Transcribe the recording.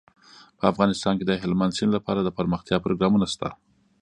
په افغانستان کې د هلمند سیند لپاره د پرمختیا پروګرامونه شته.